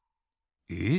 えっ？